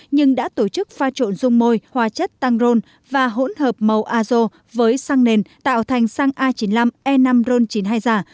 nhưng đã tổ chức pha trộn dung môi hòa chất tăng rôn và hỗn hợp màu azo với xăng nền tạo thành xăng a chín mươi năm e năm ron chín mươi hai giả